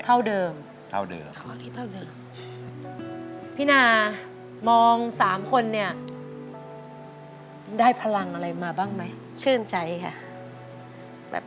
เท่าเดิมเขาอยู่เท่าเดิมพี่นามอง๓คนนี่ได้พลังอะไรมาบ้างไหม